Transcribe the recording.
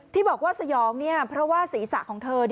ที่บอกว่าสยองเพราะว่าศีรษะของเธอ